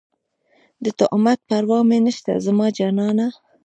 د تهمت پروا مې نشته زما جانانه